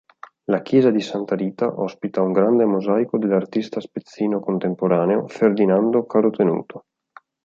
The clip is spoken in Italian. La chiesa di Santa Rita ospita un grande mosaico dell'artista spezzino contemporaneo Ferdinando Carotenuto.